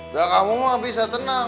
ya kamu mah bisa tenang